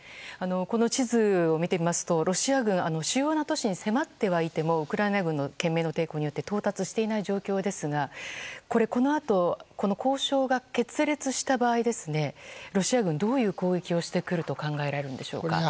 この地図を見てみますとロシア軍、主要な都市に迫ってはいてもウクライナ軍の懸命の抵抗によって到達していない状況ですがこのあと、交渉が決裂した場合ロシア軍、どういう攻撃をしてくると考えられるでしょうか。